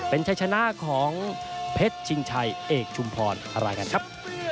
เป็นชัยชนะของเพชรชิงชัยเอกชุมพรอะไรกันครับ